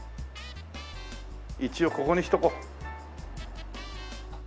一応ここにしておこう。